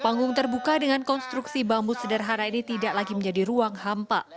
panggung terbuka dengan konstruksi bambu sederhana ini tidak lagi menjadi ruang hampa